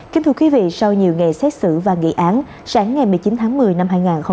kính thưa quý vị sau nhiều ngày xét xử và nghị án sáng ngày một mươi chín tháng một mươi năm hai nghìn hai mươi